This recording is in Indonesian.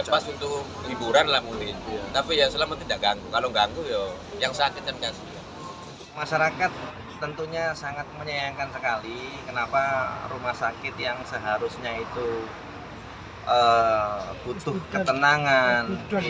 masyarakat tentunya sangat menyayangkan sekali kenapa rumah sakit yang seharusnya itu butuh ketenangan